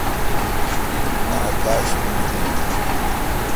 می اکاشم می این۔